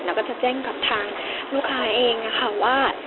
แล้วก็จะแจ้งกับทางลูกค้าเองค่ะว่า